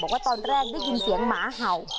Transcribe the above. บอกว่าตอนแรกได้ยินเสียงหมาเห่า